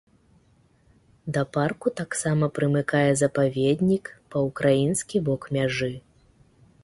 Да парку таксама прымыкае запаведнік па ўкраінскі бок мяжы.